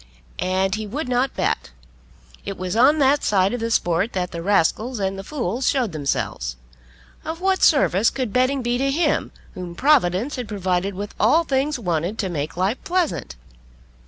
And he would not bet. It was on that side of the sport that the rascals and the fools showed themselves. Of what service could betting be to him whom Providence had provided with all things wanted to make life pleasant?